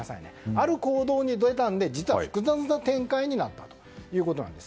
ある行動に出たので実は複雑な展開になったということです。